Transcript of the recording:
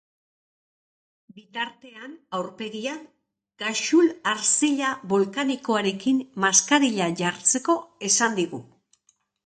Bitartean, aurpegian, ghassoul arzilla bolkanikoarekin maskarila jartzeko esan digu.